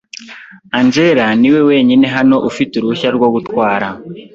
Angella niwe wenyine hano ufite uruhushya rwo gutwara.